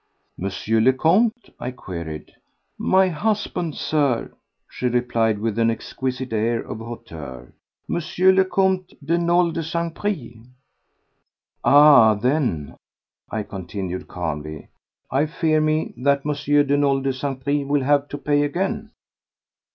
"Monsieur le Comte?" I queried. "My husband, Sir," she replied, with an exquisite air of hauteur. "M. le Comte de Nolé de St. Pris." "Ah, then," I continued calmly, "I fear me that Monsieur de Nolé de St. Pris will have to pay again."